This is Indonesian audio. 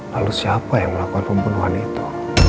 lalu siapa yang melakukan pembunuhan itu